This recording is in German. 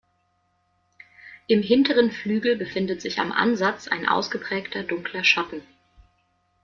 Im hinteren Flügel befindet sich am Ansatz ein ausgeprägter dunkler Schatten.